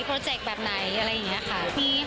เจกต์แบบไหนอะไรอย่างนี้ค่ะ